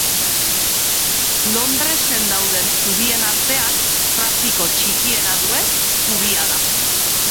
Londresen dauden zubien artean trafiko txikiena duen zubia da.